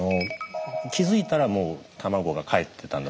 気づいたらもう卵がかえってたんだと思うんですね。